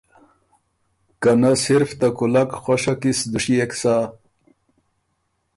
که نۀ صرف ته کُولک خوشه کی سُو دُشيېک سۀ